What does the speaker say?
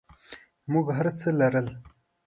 موږ هرڅه لرل.